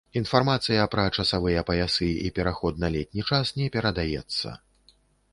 Інфармацыя пра часавыя паясы і пераход на летні час не перадаецца.